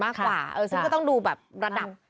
ถ้าโรคทางจิตมากกว่าก็ต้องดูแบบระดับ